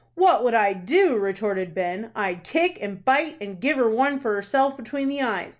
"What would I do?" retorted Ben. "I'd kick, and bite, and give her one for herself between the eyes.